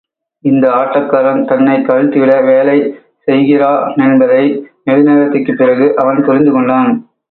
இந்த ஆட்டக்காரன் தன்னைக் கவிழ்த்து விட வேலை செய்கிறானென்பதை, நெடுநேரத்திற்குப் பிறகு அவன் புரிந்து கொண்டான்.